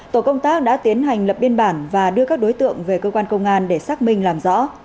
tổ công tác đã tiến hành lập biên bản và đưa các đối tượng về cơ quan công an để xác minh làm rõ